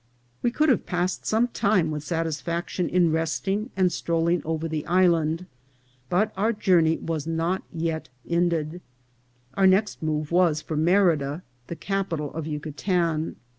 We could have passed some time with satisfaction in resting and strolling over the island, but our journey was not yet ended. Our next move was for Merida, the capital of Yucatan.